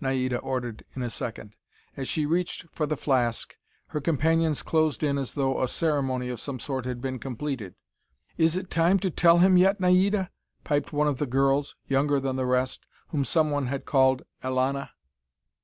Naida ordered in a second. As she reached for the flask, her companions closed in as though a ceremony of some sort had been completed. "Is it time to tell him yet, Naida?" piped one of the girls, younger than the rest, whom someone had called Elana.